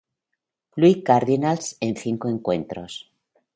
Louis Cardinals en cinco encuentros.